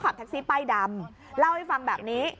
ขับแท็กซี่ป้ายดำเล่าให้ฟังแบบนี้